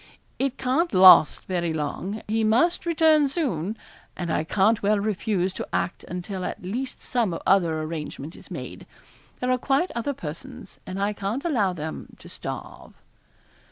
It can't last very long; he must return soon, and I can't well refuse to act until at least some other arrangement is made. There are quite other persons and I can't allow them to starve.'